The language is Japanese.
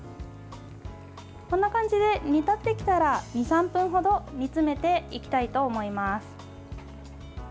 こんな感じで煮立ってきたら２３分ほど煮詰めていきたいと思います。